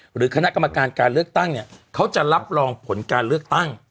หรือคณะกรรมการการเลือกตั้งเนี่ยเขาจะรับรองผลการเลือกตั้ง